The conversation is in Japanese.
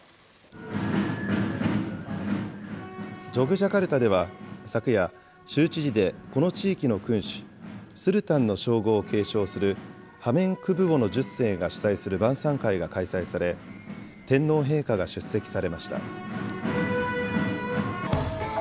ジャカルタでは昨夜、州知事で、この地域の君主、スルタンの称号を継承するハメンクブウォノ１０世が主催する晩さん会が開催され、天皇陛下が出席されました。